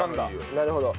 なるほど。